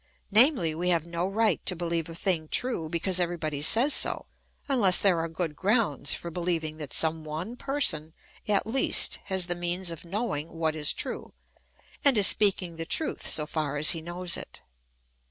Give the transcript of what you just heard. Namely, we have no right to beheve a thing true because everybody says so, unless there are good grounds for beheving that some one person at least has the means of knowing what is true, and is speaking the truth so far as he knows it.